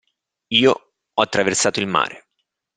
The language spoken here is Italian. Io ho attraversato il mare!